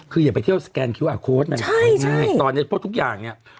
คืออย่าไปเที่ยวสแกนคิวอาร์โค้ดนั่นแหละตอนนี้เพราะทุกอย่างเนี่ย